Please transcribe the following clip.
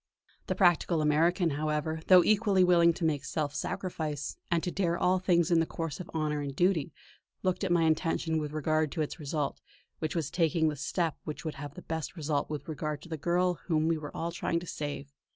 The practical American, however, though equally willing to make self sacrifice, and to dare all things in the course of honour and duty, looked at my intention with regard to its result; was I taking the step which would have the best result with regard to the girl whom we were all trying to save.